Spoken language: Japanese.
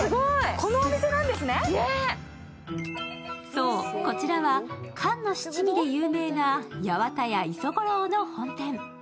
そう、こちらは缶の七味で有名な八幡屋礒五郎の本店。